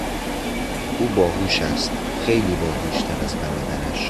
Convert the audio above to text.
او با هوش است، خیلی با هوشتر از برادرش.